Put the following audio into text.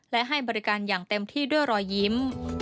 และให้บริการอย่างเต็มที่ด้วยรอยยิ้ม